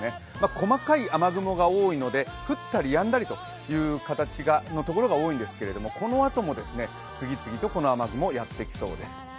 細かい雨雲が多いので降ったりやんだりのところが多いんですけれどもこのあとも次々とこの雨雲やって来そうです。